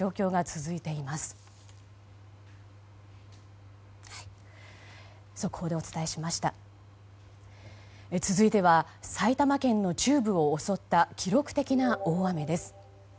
続いては、埼玉県の中部を襲った記録的な大雨です。